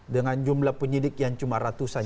dengan jumlah penyidik yang cuma ratusan